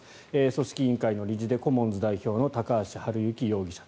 組織委員会の理事でコモンズ代表の高橋治之容疑者。